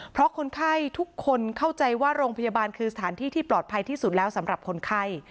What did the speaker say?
เพราะคนไข้ทุกคนเข้าใจว่าโรงพยาบาลคือสถานที่ที่ปลอดภัยที่สุดแล้วสำหรับคนไข้